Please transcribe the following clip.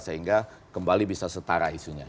sehingga kembali bisa setara isunya